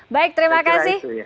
baik terima kasih